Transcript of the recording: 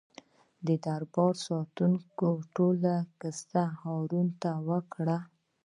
د دربار ساتونکو ټوله کیسه هارون ته وکړه.